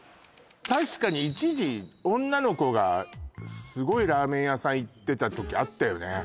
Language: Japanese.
確かに一時女の子がすごいラーメン屋さん行ってたときあったよね